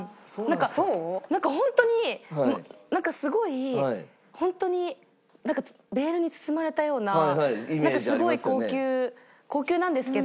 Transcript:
なんかなんかホントにすごいホントにベールに包まれたようなすごい高級高級なんですけど。